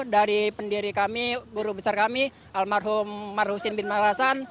dari pendiri kami guru besar kami almarhum marhusin bin maharasan